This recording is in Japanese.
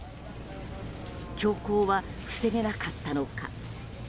凶行は防げなかったのか。